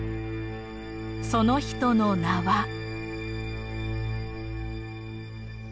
その人の名は。